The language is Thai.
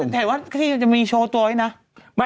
แถวว่าที่จะมีโชว์ตัวไว้นะ